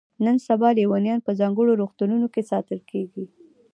نن سبا لیونیان په ځانګړو روغتونونو کې ساتل کیږي.